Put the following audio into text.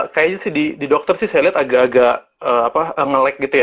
kayaknya sih di dokter sih saya lihat agak agak ngelek gitu ya